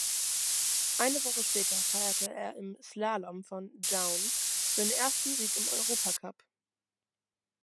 Eine Woche später feierte er im Slalom von Jaun seinen ersten Sieg im Europacup.